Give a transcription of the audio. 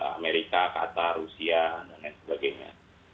amerika qatar rusia dan lain sebagainya